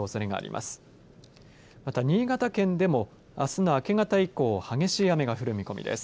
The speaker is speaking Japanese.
また新潟県でもあすの明け方以降激しい雨が降る見込みです。